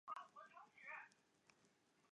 苍南毛蕨为金星蕨科毛蕨属下的一个种。